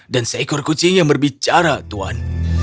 dan seekor kucing yang berbicara tuan